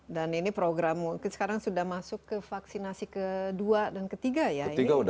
dan ini program mungkin sekarang sudah masuk ke vaksinasi ke dua dan ke tiga ya